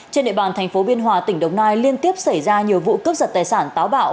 trên địa bàn thành phố biên hòa tỉnh đồng nai liên tiếp xảy ra nhiều vụ cướp giật tài sản táo bạo